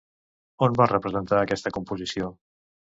On va representar aquesta composició?